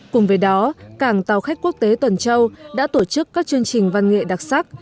cùng với đó cảng tàu khách quốc tế tuần châu đã tổ chức các chương trình văn nghệ đặc sắc